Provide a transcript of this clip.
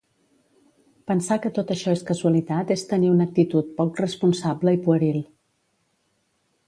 Pensar que tot això és casualitat és tenir una actitud poc responsable i pueril.